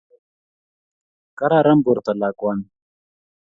Kararan bortop lakwani